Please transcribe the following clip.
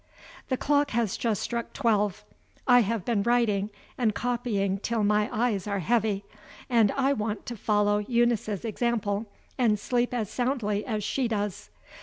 The clock has just struck twelve. I have been writing and copying till my eyes are heavy, and I want to follow Eunice's example and sleep as soundly as she does.